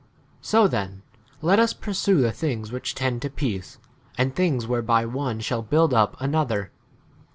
19 So then let us pursue the things which tend to r peace, and things whereby one shall build up an 20 other.